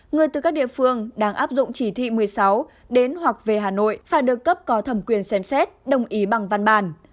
người từ các địa phương đang áp dụng chỉ thị một mươi sáu đến hoặc về hà nội phải được cấp có thẩm quyền xem xét đồng ý bằng văn bản